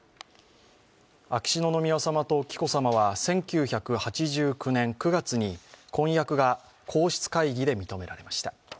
秋篠宮さまと紀子さまは１９８９年９月に婚約が皇室会議で認められました。